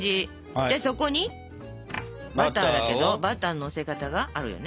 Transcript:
でそこにバターだけどバターののせ方があるよね？